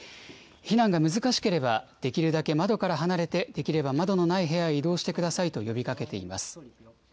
避難が難しければ、できるだけ窓から離れて、できれば窓のない部屋へ移動してくださいと呼びかけています。